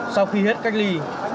sau khi hết cách ly